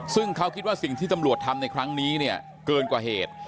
ซึ่งเขาคิดว่าสิ่งที่ตำรวจทำในครั้งนี้เนี่ยเกินกว่าเหตุ